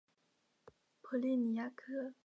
普利尼亚克。